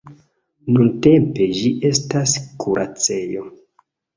Nuntempe ĝi estas kuracejo.